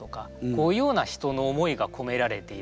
こういうような人の思いがこめられているだとか。